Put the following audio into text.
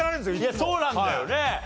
そうなんだよね。